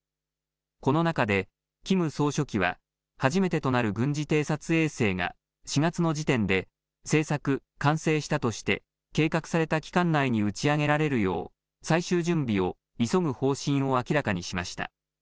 この中でキム総書記は初めてとなる軍事偵察衛星が４月の時点で製作・完成したとして計画された期間内に打ち上げられるよう最終準備を急ぐ方針を明らかにしました。